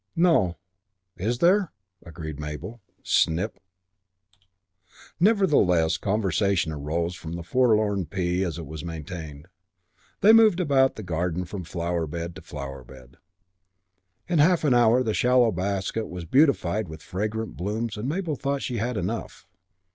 "No; is there?" agreed Mabel, snip! Nevertheless conversation arose from the forlorn pea and was maintained. They moved about the garden from flower bed to flower bed. In half an hour the shallow basket was beautified with fragrant blooms and Mabel thought she had enough.